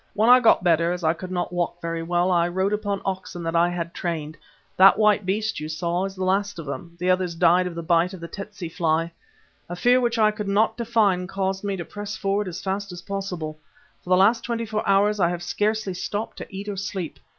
When I got better, as I could not walk very well I rode upon oxen that I had trained. That white beast you saw is the last of them; the others died of the bite of the tsetse fly. A fear which I could not define caused me to press forward as fast as possible; for the last twenty four hours I have scarcely stopped to eat or sleep.